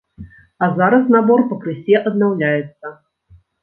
А зараз набор пакрысе аднаўляецца.